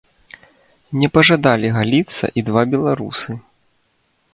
Не пажадалі галіцца і два беларусы.